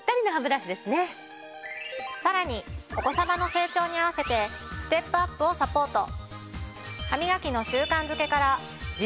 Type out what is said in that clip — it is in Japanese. さらにお子さまの成長に合わせてステップアップをサポート。